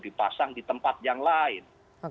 dipasang di tempat yang lain